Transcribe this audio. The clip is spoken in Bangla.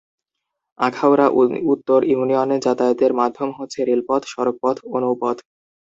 আখাউড়া উত্তর ইউনিয়নে যাতায়াতের মাধ্যম হচ্ছে রেলপথ, সড়কপথ ও নৌপথ।